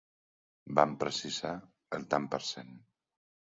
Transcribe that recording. Van precisar el tant per cent.